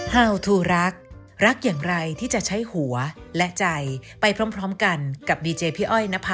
โปรดติดตามตอนต่อไป